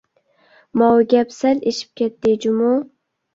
ماۋۇ گەپ سەل ئېشىپ كەتتى جۇمۇ!